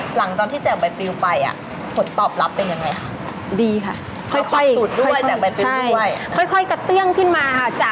หลังจนที่แจกใบปิ้วไปผลตอบรับเป็นอย่างไรค่ะ